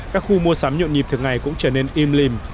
các khu mua sắm nhộn nhịp thường ngày cũng trở nên im lìm